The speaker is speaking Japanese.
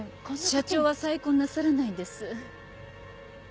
社長は再婚なさらないんです。